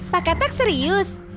pak katak serius